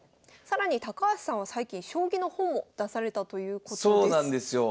更に高橋さんは最近将棋の本を出されたということです。